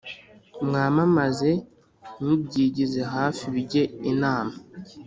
Mwamamaze mubyigize hafi bijye inama